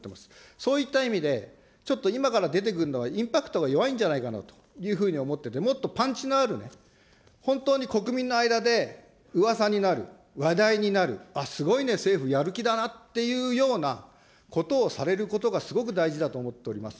そういった意味で、ちょっと今から出てくるのはインパクトが弱いんじゃないかなというふうに思ってて、もっとパンチのあるね、本当に国民の間で、うわさになる、話題になる、あっ、すごいね、政府、やる気だなっていうようなことをされることがすごく大事だと思っております。